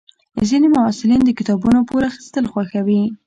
ځینې محصلین د کتابونو پور اخیستل خوښوي.